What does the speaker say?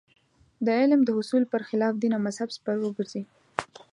د علم د حصول پر خلاف دین او مذهب سپر وګرځي.